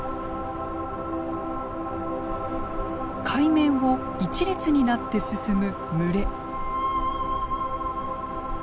海面を一列になって進む群れ。